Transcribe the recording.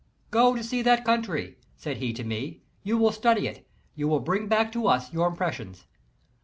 Go to see that country," said he to me. •*You will study it, you will bring back to us your impressions.